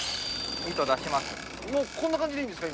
糸出します。